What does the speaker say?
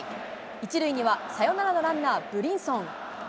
１塁にはサヨナラのランナー、ブリンソン。